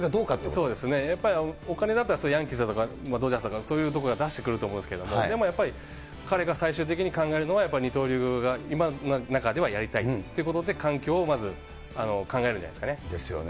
そうですね、やっぱりお金だったら、それ、ヤンキースだったりとか、ドジャースだとか、そういうところが出してくると思うんですけれども、でもやっぱり、彼が最終的に考えるのは、やっぱり二刀流が今の中ではやりたいってことで、環境をまず考えるんじゃないですかね。ですよね。